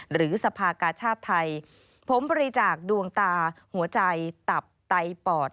หรือสภากาชาติไทยผมบริจาคดวงตาหัวใจตับไตปอด